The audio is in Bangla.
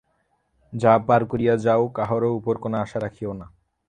যাহা পার করিয়া যাও, কাহারও উপর কোন আশা রাখিও না।